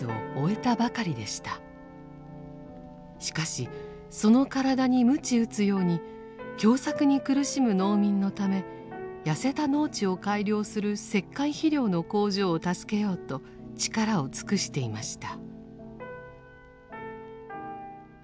しかしその体にむち打つように凶作に苦しむ農民のためやせた農地を改良する石灰肥料の工場を助けようと力を尽くしていました。